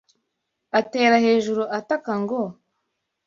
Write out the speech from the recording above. Atera hejuru ataka ngo